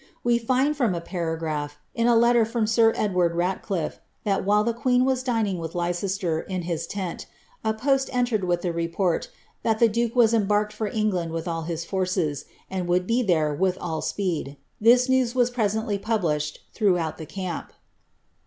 We find from a para|^ph, in a letter from sir Edward Ratclifie, that while the queen was dmin^ with Leicester in his tent, a post entered with the report, that the duke was embarked for England with all his forces, and would be there with all speed. This news was presently published through the camp.'